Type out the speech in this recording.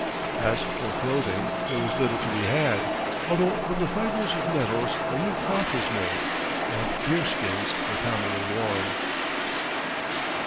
As for clothing, there was little to be had, although from the fiber of nettles a rude cloth was made, and deerskins were commonly worn.